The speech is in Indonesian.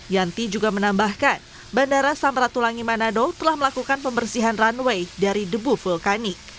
yanti juga menambahkan bandara samratulangi manado telah melakukan pembersihan runway dari debu vulkanik